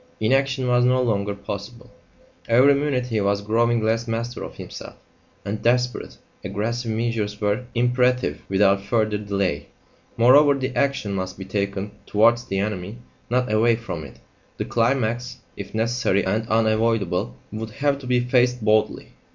Inaction was no longer possible; every minute he was growing less master of himself, and desperate, aggressive measures were imperative without further delay. Moreover, the action must be taken towards the enemy, not away from it; the climax, if necessary and unavoidable, would have to be faced boldly.